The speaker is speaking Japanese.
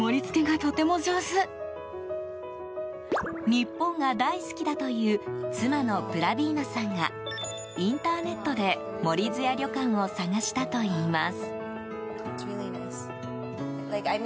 日本が大好きだという妻のプラビーナさんがインターネットで森津屋旅館を探したといいます。